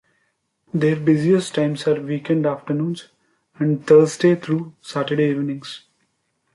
Their busiest times are weekend afternoons and Thursday through Saturday evenings.